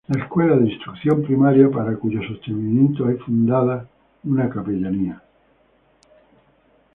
La escuela de instrucción primaria, para cuyo sostenimiento hay fundada una capellanía.